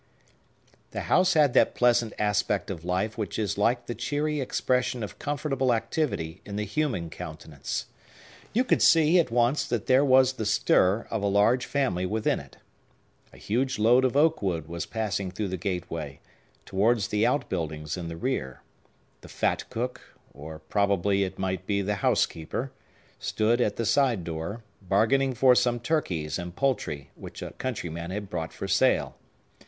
The house had that pleasant aspect of life which is like the cheery expression of comfortable activity in the human countenance. You could see, at once, that there was the stir of a large family within it. A huge load of oak wood was passing through the gateway, towards the outbuildings in the rear; the fat cook—or probably it might be the housekeeper—stood at the side door, bargaining for some turkeys and poultry which a countryman had brought for sale.